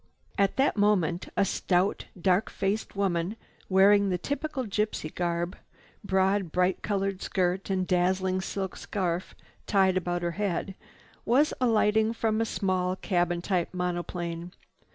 At that moment a stout dark faced woman, wearing the typical gypsy garb, broad, bright colored skirt and dazzling silk scarf tied about her head, was alighting from a small cabin type monoplane.